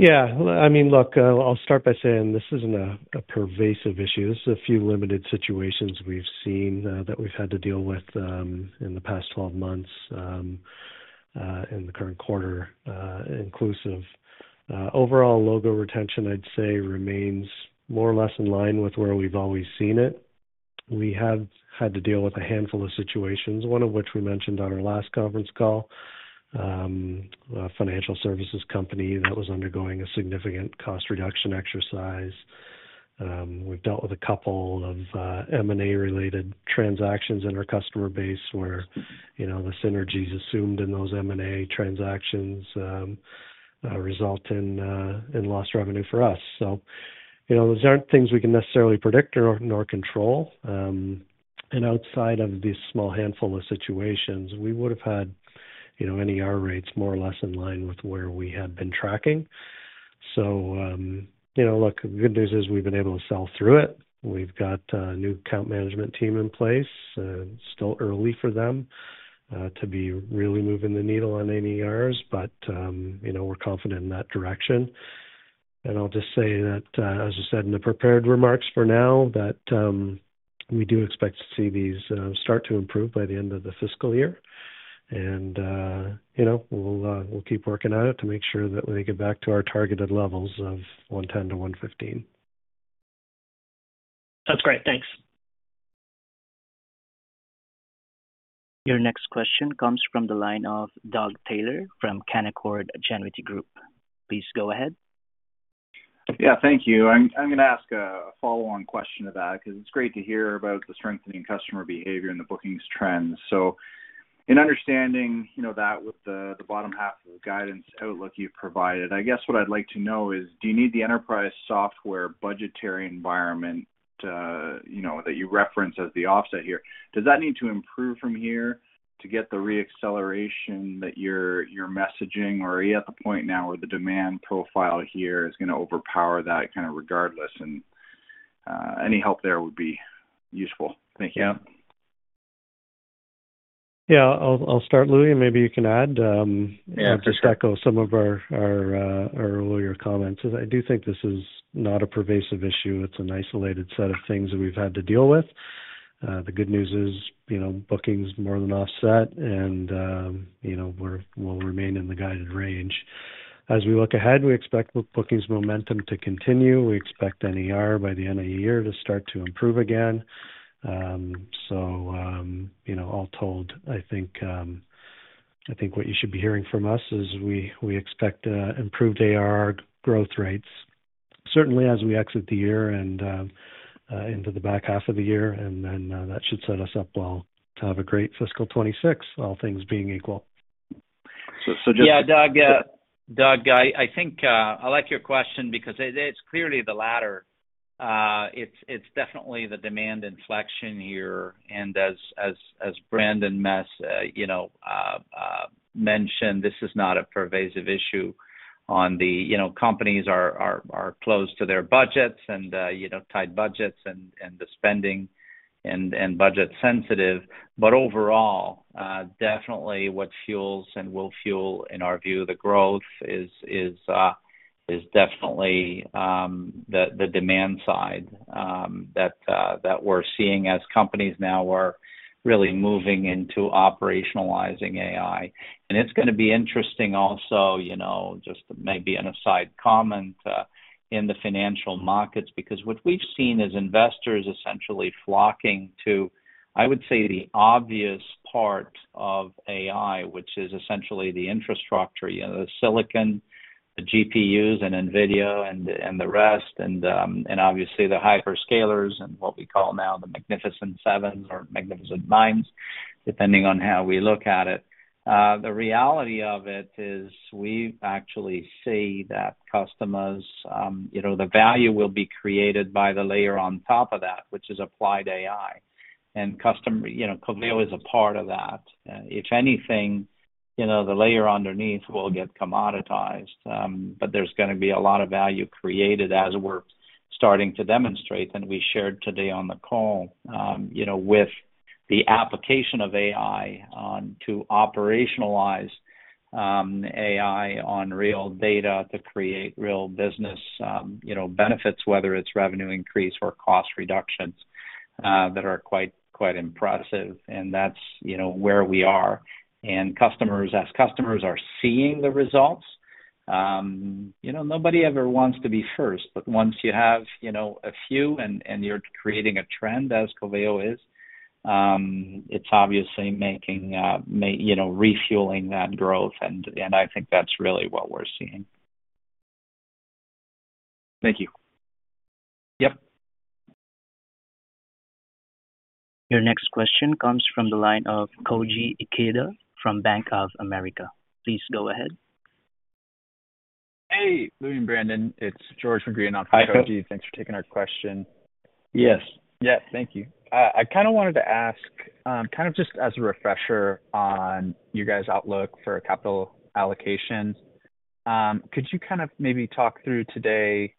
Yeah. I mean, look, I'll start by saying this isn't a pervasive issue. This is a few limited situations we've seen that we've had to deal with in the past 12 months in the current quarter inclusive. Overall, logo retention, I'd say, remains more or less in line with where we've always seen it. We have had to deal with a handful of situations, one of which we mentioned on our last conference call, a financial services company that was undergoing a significant cost reduction exercise. We've dealt with a couple of M&A-related transactions in our customer base where the synergies assumed in those M&A transactions result in lost revenue for us. So those aren't things we can necessarily predict nor control. And outside of this small handful of situations, we would have had NER rates more or less in line with where we had been tracking. So look, the good news is we've been able to sell through it. We've got a new account management team in place. It's still early for them to be really moving the needle on NERs, but we're confident in that direction. I'll just say that, as I said in the prepared remarks for now, that we do expect to see these start to improve by the end of the fiscal year. We'll keep working at it to make sure that we get back to our targeted levels of 110-115. That's great. Thanks. Your next question comes from the line of Doug Taylor from Canaccord Genuity Group. Please go ahead. Yeah. Thank you. I'm going to ask a follow-on question to that because it's great to hear about the strengthening customer behavior and the bookings trends. In understanding that with the bottom half of the guidance outlook you've provided, I guess what I'd like to know is, do you need the enterprise software budgetary environment that you reference as the offset here? Does that need to improve from here to get the reacceleration that you're messaging? Or are you at the point now where the demand profile here is going to overpower that kind of regardless? And any help there would be useful. Thank you. Yeah. Yeah. I'll start, Louis, and maybe you can add to echo some of our earlier comments. I do think this is not a pervasive issue. It's an isolated set of things that we've had to deal with. The good news is bookings more than offset, and we'll remain in the guided range. As we look ahead, we expect bookings momentum to continue. We expect NER by the end of the year to start to improve again. So all told, I think what you should be hearing from us is we expect improved ARR growth rates, certainly as we exit the year and into the back half of the year. And then that should set us up well to have a great Fiscal 2026, all things being equal. So, just yeah, Doug, I think I like your question because it's clearly the latter. It's definitely the demand inflection here. And as Brandon Nussey mentioned, this is not a pervasive issue on the companies are close to their budgets and tight budgets and the spending and budget sensitive. But overall, definitely what fuels and will fuel, in our view, the growth is definitely the demand side that we're seeing as companies now are really moving into operationalizing AI. And it's going to be interesting also, just maybe an aside comment, in the financial markets because what we've seen is investors essentially flocking to, I would say, the obvious part of AI, which is essentially the infrastructure, the silicon, the GPUs, and NVIDIA, and the rest, and obviously the hyperscalers and what we call now the Magnificent Sevens or Magnificent Nines, depending on how we look at it. The reality of it is we actually see that customers, the value will be created by the layer on top of that, which is applied AI. And Coveo is a part of that. If anything, the layer underneath will get commoditized, but there's going to be a lot of value created as we're starting to demonstrate, and we shared today on the call with the application of AI to operationalize AI on real data to create real business benefits, whether it's revenue increase or cost reductions that are quite impressive. And that's where we are. And as customers are seeing the results, nobody ever wants to be first. But once you have a few and you're creating a trend, as Coveo is, it's obviously refueling that growth. And I think that's really what we're seeing. Thank you. Yep. Your next question comes from the line of Koji Ikeda from Bank of America. Please go ahead. Hey, Louis, and Brandon. It's George from Greenhouse Cogi. Thanks for taking our question. Yes. Yeah. Thank you. I kind of wanted to ask kind of just as a refresher on your guys' outlook for capital allocation. Could you kind of maybe talk through today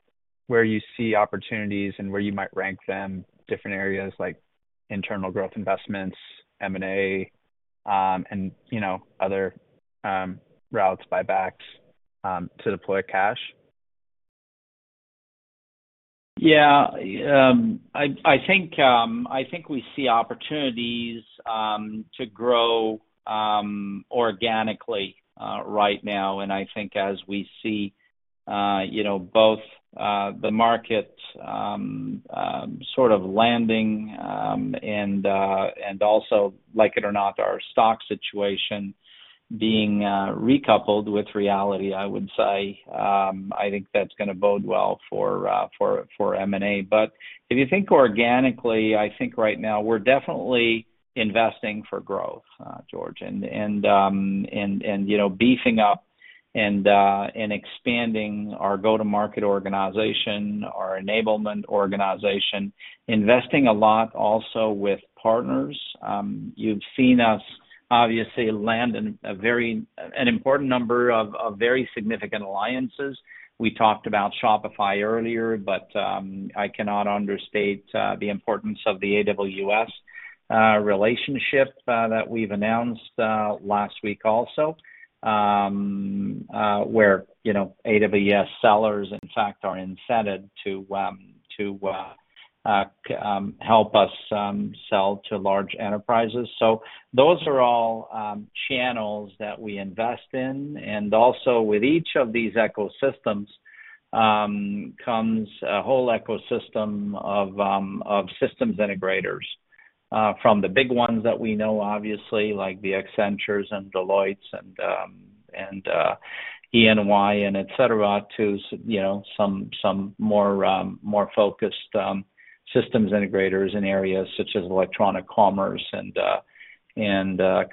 where you see opportunities and where you might rank them, different areas like internal growth investments, M&A, and other routes, buybacks to deploy cash? Yeah. I think we see opportunities to grow organically right now. And I think as we see both the market sort of landing and also, like it or not, our stock situation being recoupled with reality, I would say, I think that's going to bode well for M&A. But if you think organically, I think right now we're definitely investing for growth, George, and beefing up and expanding our go-to-market organization, our enablement organization, investing a lot also with partners. You've seen us obviously land an important number of very significant alliances. We talked about Shopify earlier, but I cannot understate the importance of the AWS relationship that we've announced last week also, where AWS sellers, in fact, are incentivized to help us sell to large enterprises, so those are all channels that we invest in, and also, with each of these ecosystems comes a whole ecosystem of systems integrators, from the big ones that we know, obviously, like the Accenture and Deloitte and EY and etc., to some more focused systems integrators in areas such as electronic commerce and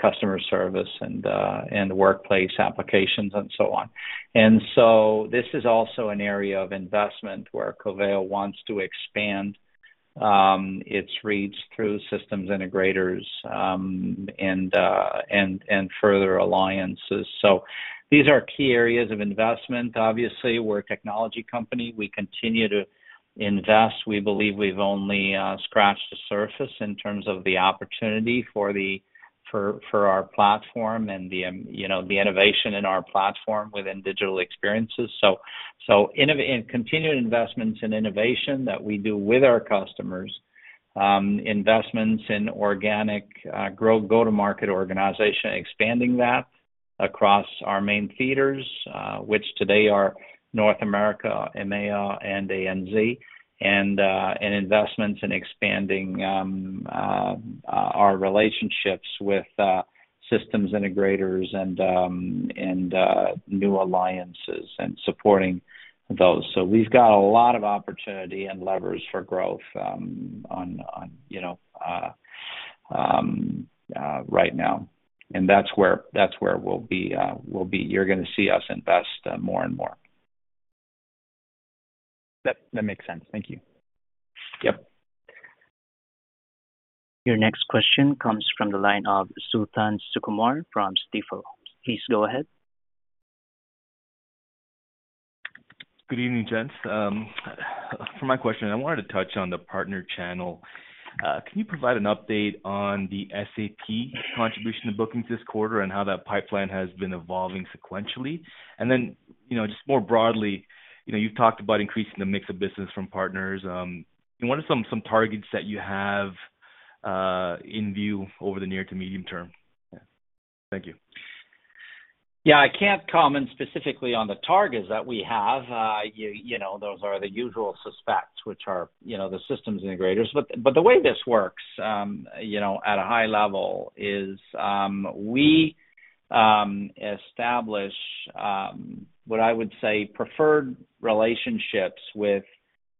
customer service and workplace applications and so on, and so this is also an area of investment where Coveo wants to expand its reach through systems integrators and further alliances, so these are key areas of investment. Obviously, we're a technology company. We continue to invest. We believe we've only scratched the surface in terms of the opportunity for our platform and the innovation in our platform within digital experiences. So continued investments in innovation that we do with our customers, investments in organic go-to-market organization, expanding that across our main feeders, which today are North America, EMEA, and ANZ, and investments in expanding our relationships with systems integrators and new alliances and supporting those. So we've got a lot of opportunity and levers for growth right now. And that's where we'll be. You're going to see us invest more and more. That makes sense. Thank you. Yep. Your next question comes from the line of Suthan Sukumar from Stifel. Please go ahead. Good evening, gents. For my question, I wanted to touch on the partner channel. Can you provide an update on the SAP contribution to bookings this quarter and how that pipeline has been evolving sequentially? And then just more broadly, you've talked about increasing the mix of business from partners. What are some targets that you have in view over the near to medium term? Thank you. Yeah. I can't comment specifically on the targets that we have. Those are the usual suspects, which are the systems integrators. But the way this works at a high level is we establish what I would say preferred relationships with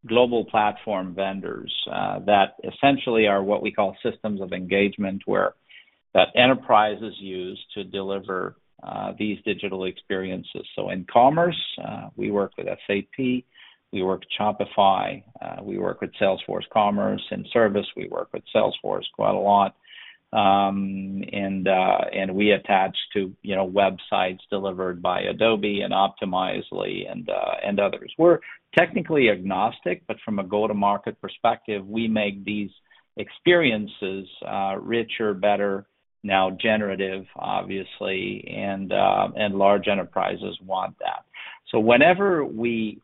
global platform vendors that essentially are what we call systems of engagement that enterprises use to deliver these digital experiences. So in commerce, we work with SAP. We work with Shopify. We work with Salesforce Commerce and Service. We work with Salesforce quite a lot. And we attach to websites delivered by Adobe and Optimizely and others. We're technically agnostic, but from a go-to-market perspective, we make these experiences richer, better, now generative, obviously, and large enterprises want that, so whenever we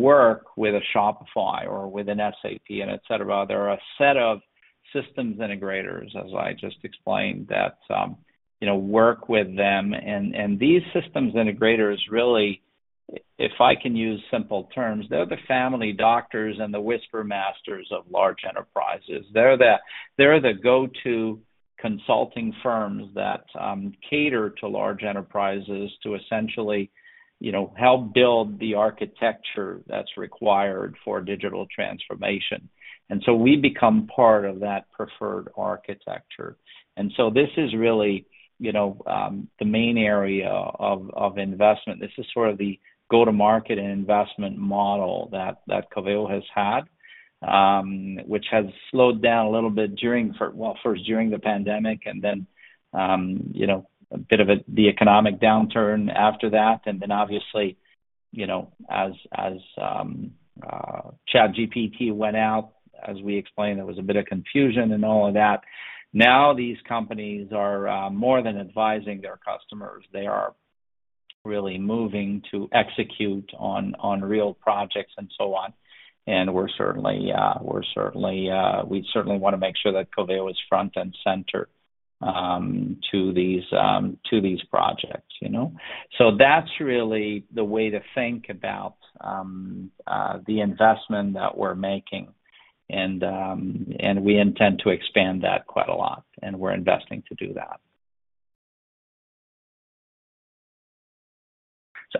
work with a Shopify or with an SAP and etc., there are a set of systems integrators, as I just explained, that work with them, and these systems integrators, really, if I can use simple terms, they're the family doctors and the whisper masters of large enterprises. They're the go-to consulting firms that cater to large enterprises to essentially help build the architecture that's required for digital transformation, and so we become part of that preferred architecture, and so this is really the main area of investment. This is sort of the go-to-market and investment model that Coveo has had, which has slowed down a little bit during, well, first during the pandemic and then a bit of the economic downturn after that. And then obviously, as ChatGPT went out, as we explained, there was a bit of confusion and all of that. Now these companies are more than advising their customers. They are really moving to execute on real projects and so on. And we're certainly want to make sure that Coveo is front and center to these projects. So that's really the way to think about the investment that we're making. And we intend to expand that quite a lot. And we're investing to do that.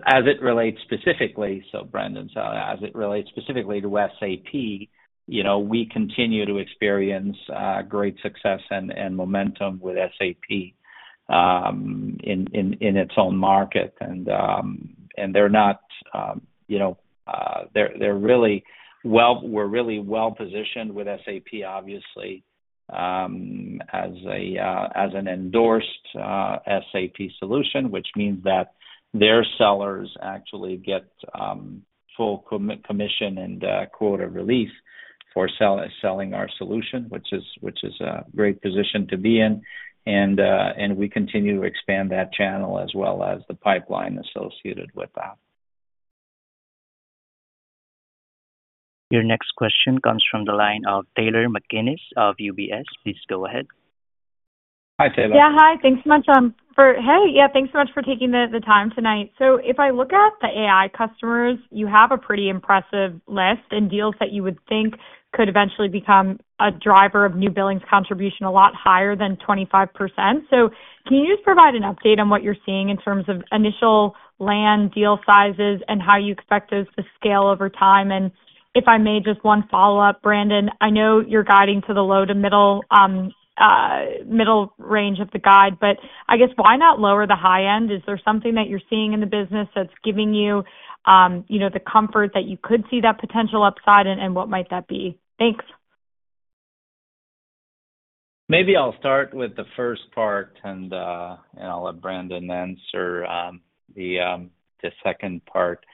As it relates specifically—so Brandon saw it—as it relates specifically to SAP, we continue to experience great success and momentum with SAP in its own market. We're really well positioned with SAP, obviously, as an endorsed SAP solution, which means that their sellers actually get full commission and quota release for selling our solution, which is a great position to be in. We continue to expand that channel as well as the pipeline associated with that. Your next question comes from the line of Taylor McGinnis of UBS. Please go ahead. Hi, Taylor. Yeah. Hi. Thanks so much for taking the time tonight. If I look at the AI customers, you have a pretty impressive list and deals that you would think could eventually become a driver of new billings contribution a lot higher than 25%. Can you just provide an update on what you're seeing in terms of initial land deal sizes and how you expect those to scale over time? If I may, just one follow-up, Brandon. I know you're guiding to the low to middle range of the guide, but I guess why not lower the high end? Is there something that you're seeing in the business that's giving you the comfort that you could see that potential upside? And what might that be? Thanks. Maybe I'll start with the first part, and I'll let Brandon answer the second part.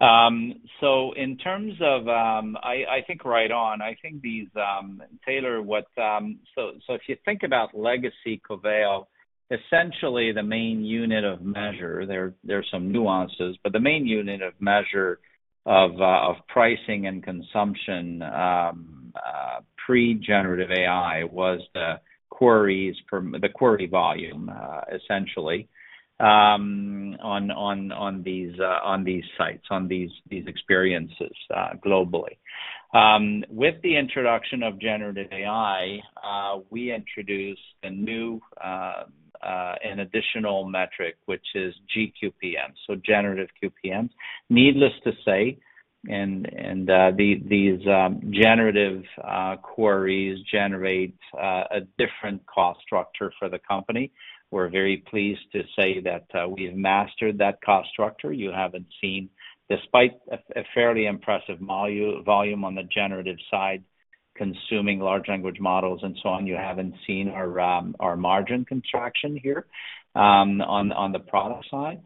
In terms of, Taylor, if you think about legacy Coveo, essentially the main unit of measure - there's some nuances - but the main unit of measure of pricing and consumption pre-generative AI was the query volume, essentially, on these sites, on these experiences globally. With the introduction of generative AI, we introduced a new and additional metric, which is GQPM, so generative QPM. Needless to say, and these generative queries generate a different cost structure for the company. We're very pleased to say that we've mastered that cost structure. You haven't seen, despite a fairly impressive volume on the generative side consuming large language models and so on, you haven't seen our margin contraction here on the product side,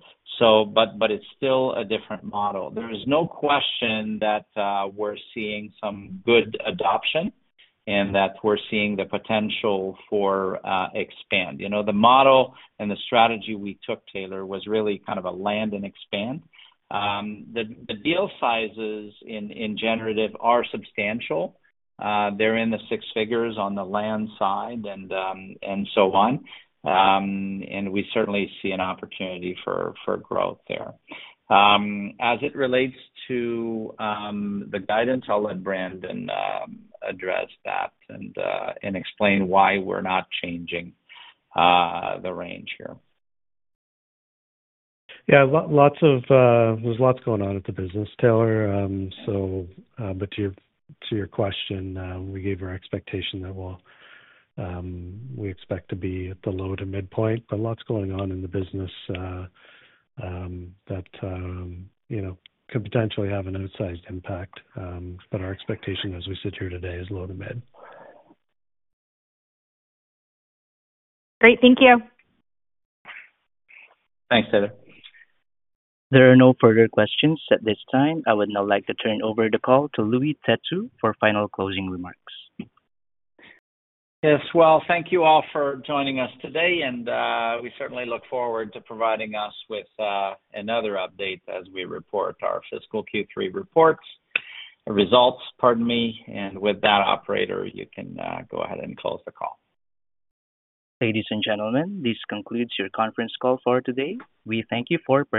but it's still a different model. There is no question that we're seeing some good adoption and that we're seeing the potential for expansion. The model and the strategy we took, Taylor, was really kind of a land and expand. The deal sizes in generative are substantial. They're in the six figures on the land side and so on. And we certainly see an opportunity for growth there. As it relates to the guidance, I'll let Brandon address that and explain why we're not changing the range here. Yeah. There's lots going on at the business, Taylor. But to your question, we gave our expectation that we expect to be at the low to midpoint, but lots going on in the business that could potentially have an outsized impact. But our expectation as we sit here today is low to mid. Great. Thank you. Thanks, Taylor. There are no further questions at this time. I would now like to turn over the call to Louis Têtu for final closing remarks. Yes. Well, thank you all for joining us today. And we certainly look forward to providing us with another update as we report our fiscal Q3 results. And with that, operator, you can go ahead and close the call. Ladies and gentlemen, this concludes your conference call for today. We thank you for.